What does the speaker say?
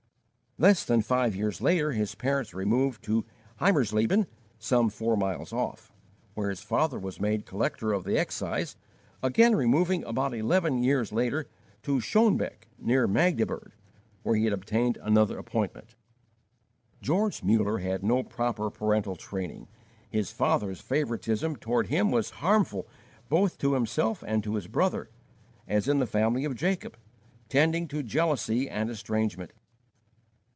Less than five years later his parents removed to Heimersleben, some four miles off, where his father was made collector of the excise, again removing about eleven years later to Schoenebeck, near Magdeburg, where he had obtained another appointment. George Muller had no proper parental training. His father's favoritism toward him was harmful both to himself and to his brother, as in the family of Jacob, tending to jealousy and estrangement.